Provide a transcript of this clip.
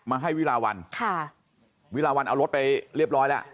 ให้วิลาวันค่ะวิลาวันเอารถไปเรียบร้อยแล้ว